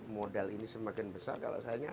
modal ini semakin besar kalau saya